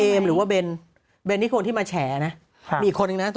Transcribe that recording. ดีเลยหยุดให้ปุ๊บเอาของให้ลูกกินไม่ให้กินของให้กินของโอลี่ของโรงพยาบาล